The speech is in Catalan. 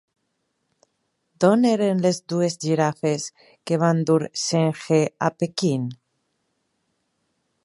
D'on eren les dues girafes que va dur Zheng He a Pequín?